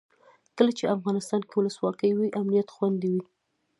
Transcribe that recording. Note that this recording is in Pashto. کله چې افغانستان کې ولسواکي وي امنیت خوندي وي.